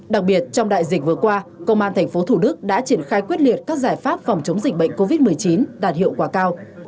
đặc biệt trong đại dịch vừa qua công an tp thủ đức đã triển khai quyết liệt các giải pháp phòng chống dịch bệnh covid một mươi chín đạt hiệu quả cao